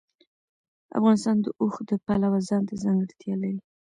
افغانستان د اوښ د پلوه ځانته ځانګړتیا لري.